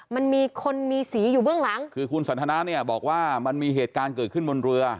มันมีคนมีสีอยู่เบื้องหลังคือคุณสันทนาเนี่ยบอกว่ามันมีเหตุการณ์เกิดขึ้นบนเรือ